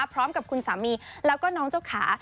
พร้อมกับคุณสามีแล้วก็น้องเจ้าขา